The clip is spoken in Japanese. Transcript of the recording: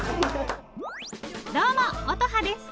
どうも乙葉です。